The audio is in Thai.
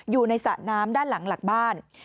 อยู่ในสระน้ำด้านหลังหลักบ้าน